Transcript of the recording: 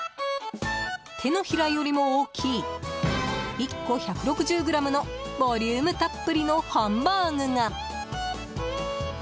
手のひらよりも大きい１個１６０ｇのボリュームたっぷりのハンバーグが。